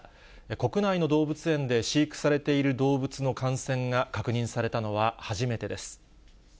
国内の動物園で飼育されている動物の感染が確認されたのは初めてです。